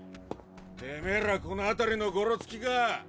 てめぇらこの辺りのゴロツキか？